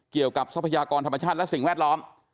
เกี่ยวกับทรัพยากรธรรมชาติและสิ่งแวดล้อม